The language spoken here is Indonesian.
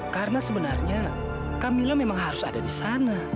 karena sebenarnya camilla memang harus ada di sana